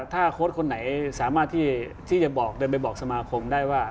ถ้าโค้ดคนไหนสามารถที่จะบอกเดินไปบอกสมาคมได้ว่า